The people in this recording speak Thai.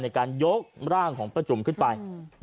ในการยกร่างของป้าจุ๋มขึ้นไป